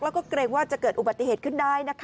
แล้วก็เกรงว่าจะเกิดอุบัติเหตุขึ้นได้นะคะ